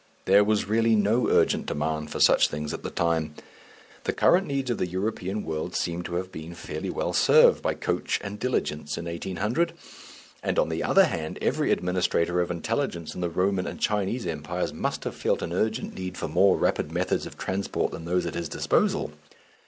There was really no urgent demand for such things at the time; the current needs of the European world seem to have been fairly well served by coach and diligence in 1800, and, on the other hand, every administrator of intelligence in the Roman and Chinese empires must have felt an urgent need for more rapid methods of transit than those at his disposal.